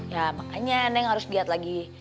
ya makanya neng harus giat lagi